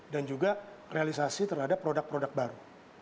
juga realisasi terhadap produk produk baru